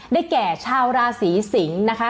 แก่ชาวราศีสิงศ์นะคะ